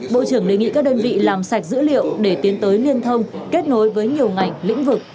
bộ trưởng đề nghị các đơn vị làm sạch dữ liệu để tiến tới liên thông kết nối với nhiều ngành lĩnh vực